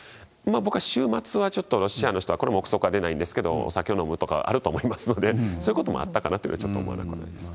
僕は週末はちょっとロシアの人は、これも臆測は出ないんですけれども、お酒を飲むとかあると思いますので、そういうことはあったかなと、ちょっと思いました。